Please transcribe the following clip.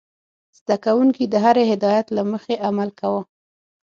زده کوونکي د هرې هدايت له مخې عمل کاوه.